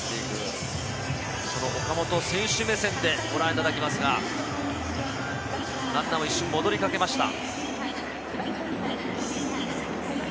その岡本、選手目線でご覧いただきますが、ランナーは一瞬戻りかけました。